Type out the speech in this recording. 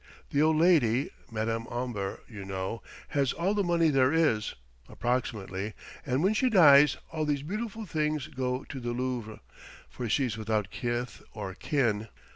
The old lady Madame Omber, you know has all the money there is, approximately, and when she dies all these beautiful things go to the Louvre; for she's without kith or kin."